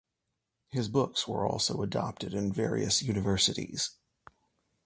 His books were also adopted in various universities.